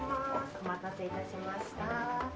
お待たせ致しました。